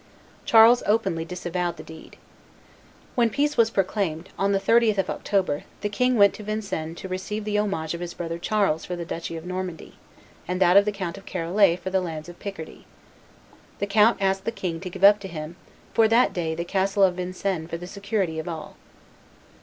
Charles openly disavowed the deed. When peace was proclaimed, on the 30th of October, the king went to Vincennes to receive the homage of his brother Charles for the duchy of Normandy, and that of the Count of Charolais for the lands of Picardy. The count asked the king to give up to him "for that day the castle of Vincennes for the security of all."